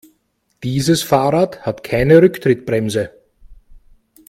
Dieses Fahrrad hat keine Rücktrittbremse.